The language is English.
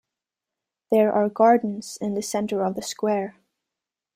There are gardens in the centre of the square.